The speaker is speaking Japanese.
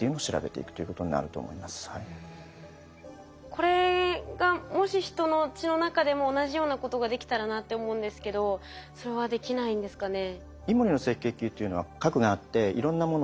今これがもし人の血の中でも同じようなことができたらなって思うんですけどそれはできないんですかね？